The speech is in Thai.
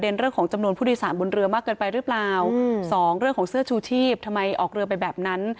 สองเรื่องของเสื้อชูชีพทำไมออกเรือไปแบบนั้น